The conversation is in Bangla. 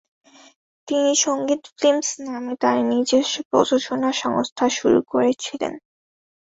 তিনি সংগীত ফিল্মস নামে তাঁর নিজস্ব প্রযোজনা সংস্থা শুরু করেছিলেন।